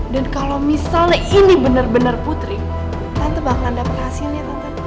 dan kalau misalnya ini bener bener putri tante bakalan dapet hasilnya tante